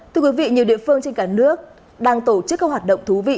thưa quý vị nhiều địa phương trên cả nước đang tổ chức các hoạt động thú vị